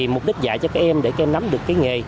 mục đích dạy cho các em để các em nắm được cái nghề